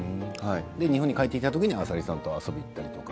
日本に帰ってきた時に浅利さんと遊びに行ったりとか。